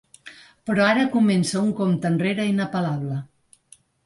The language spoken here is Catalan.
Però ara comença un compte enrere inapel·lable.